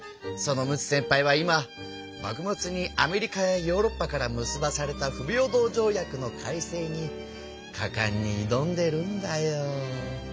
その陸奥先輩は今幕末にアメリカやヨーロッパから結ばされた不平等条約の改正にかかんに挑んでるんだよ。